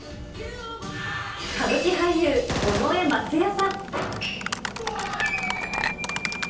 歌舞伎俳優、尾上松也さん。